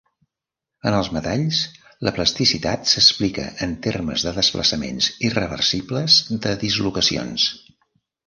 En els metalls, la plasticitat s'explica en termes de desplaçaments irreversibles de dislocacions.